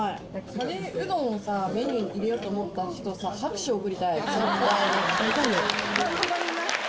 カレーうどんをさ、メニューに入れようと思った人さ、拍手送りたいよ。